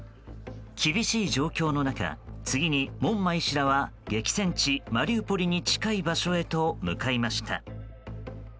厳しい状況の中次に門馬医師らは激戦地マリウポリに近い場所へと向かいました。